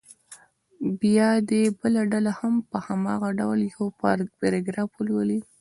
بیا دې بله ډله هم په هماغه ډول یو پاراګراف ولولي.